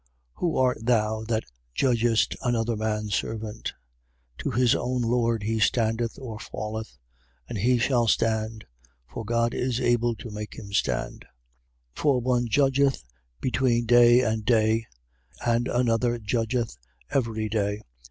14:4. Who art thou that judgest another man's servant? To his own lord he standeth or falleth. And he shall stand: for God is able to make him stand. 14:5. For one judgeth between day and day: and another judgeth every day.